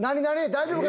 大丈夫か？